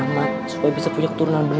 ma ikut deh